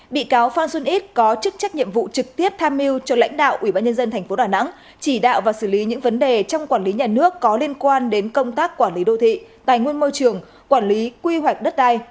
bị cáo phan xuân ít có chức trách nhiệm vụ trực tiếp tham mưu cho lãnh đạo ủy ban nhân dân tp đà nẵng chỉ đạo và xử lý những vấn đề trong quản lý nhà nước có liên quan đến công tác quản lý đô thị tài nguyên môi trường quản lý quy hoạch đất đai